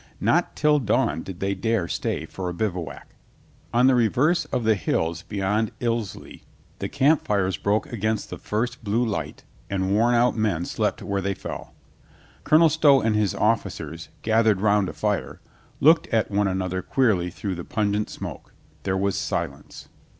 Not till dawn did they dare stay for a bivouac. On the re verse of the hills beyond Ilsley the camp fires broke against the first blue light and worn out men slept where they fell. Colonel Stow and his offi cers, gathered round a fire, looked at one another queerly through the pungent smoke. There was silence.